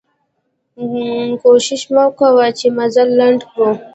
کوښښ مو کوه چې مزل لنډ کړو.